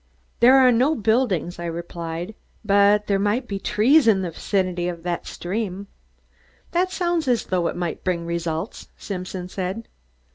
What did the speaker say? "There are no buildings," I replied, "but there must be trees in the vicinity of that stream." "That sounds as though it might bring results," Simpson said.